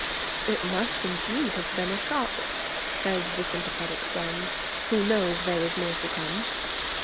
'It must indeed have been a shock,' says the sympathetic friend, who knows there is more to come.